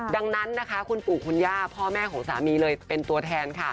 ดังนั้นนะคะคุณปู่คุณย่าพ่อแม่ของสามีเลยเป็นตัวแทนค่ะ